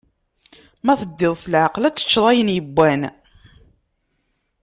Ma teddiḍ s laɛqel, ad teččeḍ ayen yewwan.